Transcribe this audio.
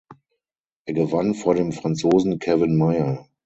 Er gewann vor dem Franzosen Kevin Mayer.